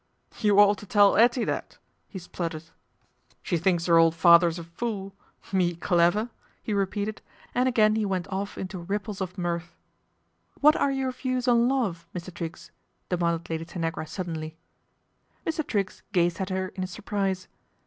" You ought o tell 'Ettie that," he spluttered. " She thinks 'er 220 PATRICIA BRENT, SPINSTER old father's a fool. Me clever !" he repeated, anc again he went off into ripples of mirth. " What are your views on love, Mr. Triggs ? "I demanded Lady Tanagra suddenly. Mr. Triggs gazed at her in surprise.